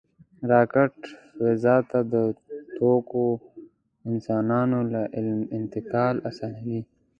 راکټ فضا ته د توکو، انسانانو او علم انتقال آسانوي